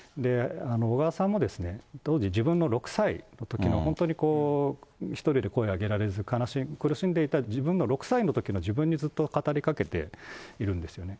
小川さんも、当時、自分の６歳のときの、本当にこう、１人で声を上げられず、苦しんでいた６歳のときの自分に語りかけているんですよね。